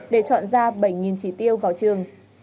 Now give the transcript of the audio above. để chọn ra bảy trí tiêu vào trường